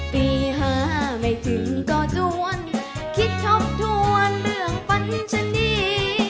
ปีห้าไม่ถึงก็รวนคิดทบทวนเรื่องฝันฉันนี้